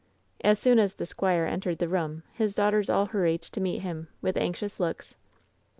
As soon as the squire entered the room his daughters all hurried to meet him, with anxious looks.